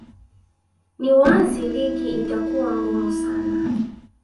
ni wazi ligi itakuwa ngumu sana